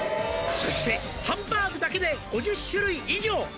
「そしてハンバーグだけで５０種類以上」